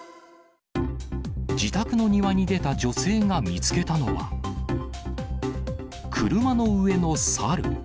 自宅の庭に出た女性が見つけたのは、車の上のサル。